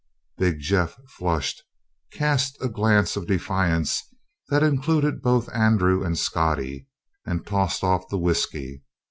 Big Jeff flushed, cast a glance of defiance that included both Andrew and Scottie, and tossed off the whisky.